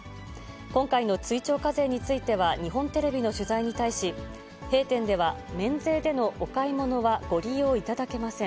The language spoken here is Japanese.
今回の追徴課税については日本テレビの取材に対し、弊店では免税のお買い物はご利用いただけません。